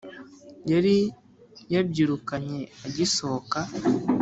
yari yabyirukanye agisohoka,